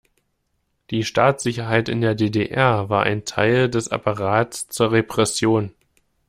Die Staatssicherheit in der D-D-R war ein Teil des Apparats zur Repression.